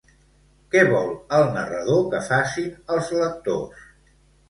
Què vol el narrador que facin els lectors?